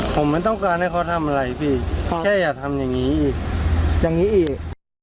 ผมไม่ต้องการให้เขาทำอะไรพี่แค่อย่าทำอย่างนี้อีกอย่างนี้อีก